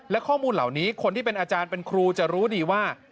และข้อมูลเหล่านี้คนที่เป็นอาจารย์เป็นครูจะรู้ดีว่า